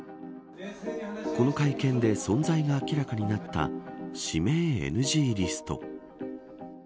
この会見で存在が明らかになった指名ＮＧリスト。